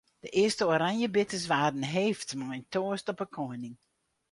De earste oranjebitters waarden heefd mei in toast op 'e koaning.